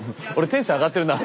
テンション上がってるわ。